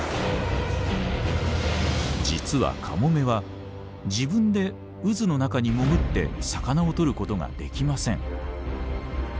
実はカモメは自分で渦の中に潜って魚をとることができません。